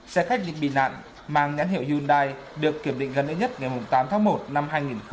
xe khách bị nạn mang nhãn hiệu hyundai được kiểm định gần nhất ngày tám tháng một năm hai nghìn một mươi năm